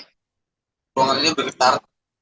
hubungan ini bergetar